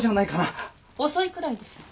遅いくらいですよ。